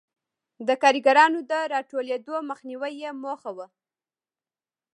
د کارګرانو د راټولېدو مخنیوی یې موخه و.